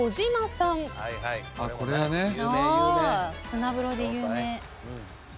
砂風呂で有名。